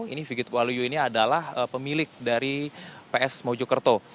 ini figit waluyo ini adalah pemilik dari ps mojo kerto